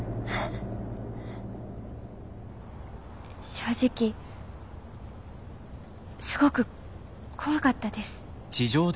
正直すごく怖かったです。